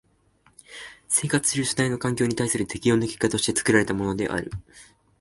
生活する主体の環境に対する適応の結果として作られたものである。